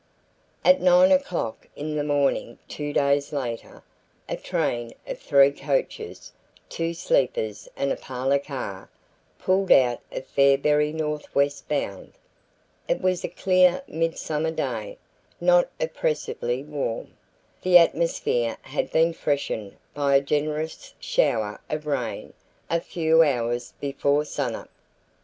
At 9 o'clock in the morning two days later, a train of three coaches, two sleepers and a parlor car, pulled out of Fairberry northwest bound. It was a clear midsummer day, not oppressively warm. The atmosphere had been freshened by a generous shower of rain a few hours before sunup.